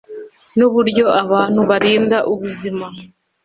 nuburyo abantu barinda ubuzima